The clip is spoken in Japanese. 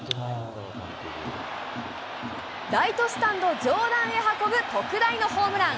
ライトスタンド上段へ運ぶ特大のホームラン。